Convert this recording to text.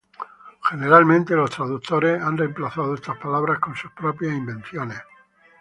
Generalmente, los traductores han reemplazado estas palabras con sus propias invenciones.